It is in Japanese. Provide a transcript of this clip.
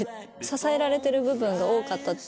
支えられてる部分が多かった。